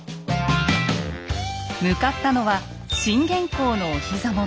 向かったのは信玄公のお膝元